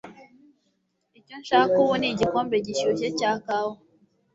Icyo nshaka ubu ni igikombe gishyushye cya kawa.